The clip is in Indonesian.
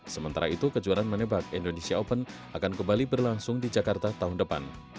sementara itu kejuaraan menebak indonesia open akan kembali berlangsung di jakarta tahun depan